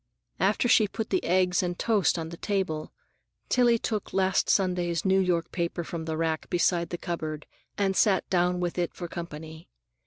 After she put the eggs and toast on the table, Tillie took last Sunday's New York paper from the rack beside the cupboard and sat down, with it for company.